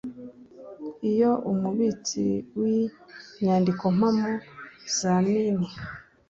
iyo umubitsi w inyandikompamo za mine